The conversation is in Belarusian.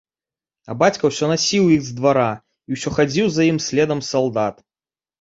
А бацька ўсё насіў іх з двара, і ўсё хадзіў за ім следам салдат.